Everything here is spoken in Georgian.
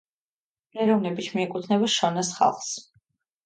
ეროვნებით მიეკუთვნება შონას ხალხს.